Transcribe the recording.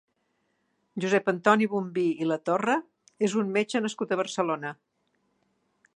Josep Antoni Bombí i Latorre és un metge nascut a Barcelona.